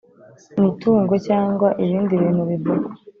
mitungo cyangwa ibindi bintu bivugwa